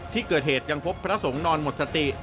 ที่เกิดเหตุยังพบพระสงฆ์นอนหมดสติ